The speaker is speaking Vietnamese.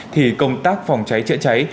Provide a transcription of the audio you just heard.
thì công tác phòng cháy chữa cháy